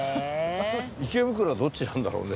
池袋はどっちなんだろうね？